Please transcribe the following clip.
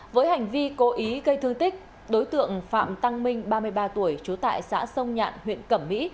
với hành vi cố ý gây thương tích đối tượng phạm tăng minh ba mươi ba tuổi trú tại xã sông nhạn huyện cẩm mỹ